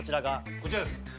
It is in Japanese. こちらです。